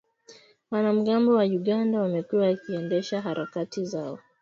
Wanamgambo wa Uganda wamekuwa wakiendesha harakati zao